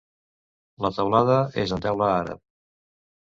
La teulada és en teula àrab.